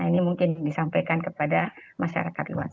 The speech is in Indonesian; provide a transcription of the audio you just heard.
ini mungkin disampaikan kepada masyarakat luas